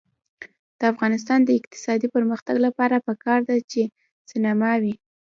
د افغانستان د اقتصادي پرمختګ لپاره پکار ده چې سینما وي.